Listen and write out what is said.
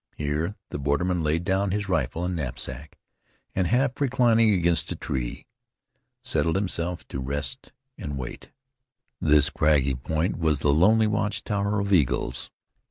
Here the borderman laid down his rifle and knapsack, and, half reclining against the tree, settled himself to rest and wait. This craggy point was the lonely watch tower of eagles.